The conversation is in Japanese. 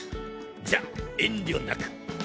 じゃ遠慮なく。